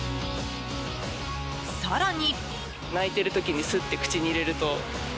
更に。